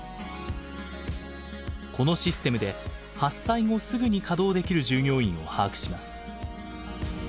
このシステムで発災後すぐに稼働できる従業員を把握します。